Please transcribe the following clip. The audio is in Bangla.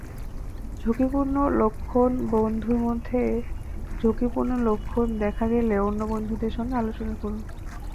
ঝুঁকিপূর্ণ লক্ষণবন্ধুর মধ্যে ঝুঁকিপূর্ণ লক্ষণ দেখা গেলে অন্য বন্ধুদের সঙ্গে আলোচনা করুন।